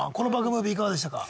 ムービーいかがでしたか。